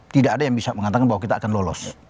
tidak ada yang bisa mengatakan bahwa kita akan lolos